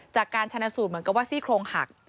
จากการชนะสูตรเหมือนกับว่าซี่โครงหัก